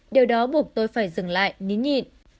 điều đó buộc tôi phải dừng lại nín nhịn